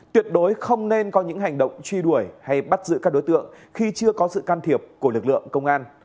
tuyệt đối không nên có những hành động truy đuổi hay bắt giữ các đối tượng khi chưa có sự can thiệp của lực lượng công an